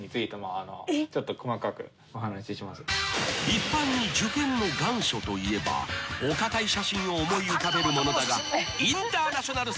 ［一般に受験の願書といえばお堅い写真を思い浮かべるものだが］